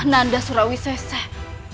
nanda surawi seseh